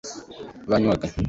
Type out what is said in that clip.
baranywaga